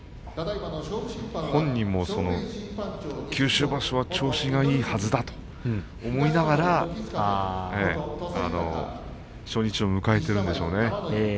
本人も九州場所は調子がいいはずだと思いながら初日を迎えているんでしょうね。